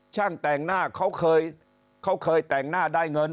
ช่างแต่งหน้าเขาเคยแต่งหน้าได้เงิน